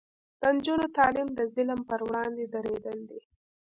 د نجونو تعلیم د ظلم پر وړاندې دریدل دي.